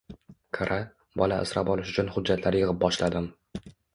Qara, bola asrab olish uchun hujjatlar yig`ib boshladim